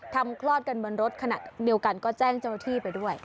ทำคลอดกันบนรถขนาดเดียวกันก็แจ้งตัวที่ไปด้วย